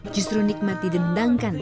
justru nikmat didendangkan